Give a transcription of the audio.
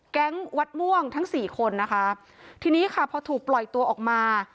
วัดม่วงทั้งสี่คนนะคะทีนี้ค่ะพอถูกปล่อยตัวออกมา